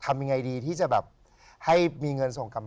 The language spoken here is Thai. อายุพรุ่ง๑๗